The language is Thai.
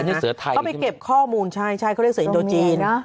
เขาไปเก็บข้อมูลใช่เขาเรียกเสืออินโดจีน